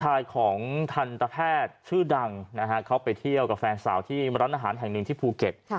ชายของทันตแพทย์ชื่อดังนะฮะเขาไปเที่ยวกับแฟนสาวที่ร้านอาหารแห่งหนึ่งที่ภูเก็ต